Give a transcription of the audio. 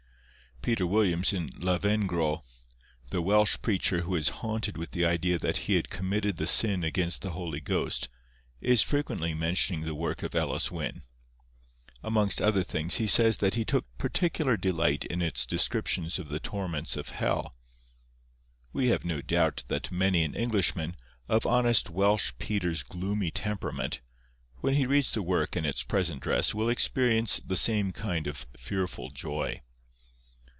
Peter Williams, in 'Lavengro,' the Welsh preacher who was haunted with the idea that he had committed the sin against the Holy Ghost, is frequently mentioning the work of Elis Wyn. Amongst other things, he says that he took particular delight in its descriptions of the torments of hell. We have no doubt that many an Englishman, of honest Welsh Peter's gloomy temperament, when he reads the work in its present dress will experience the same kind of fearful joy.